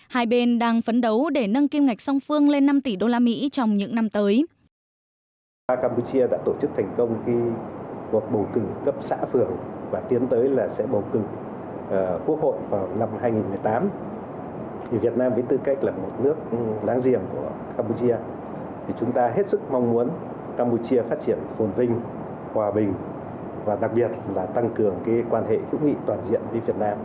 hai bên đang phấn đấu để nâng kim ngạch song phương lên năm tỷ đô la mỹ trong những năm tới